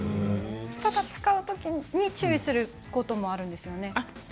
使う際に注意することもあるんですよね。